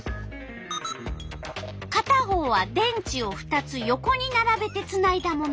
かた方は電池を２つ横にならべてつないだもの。